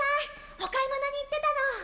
お買い物に行ってたの。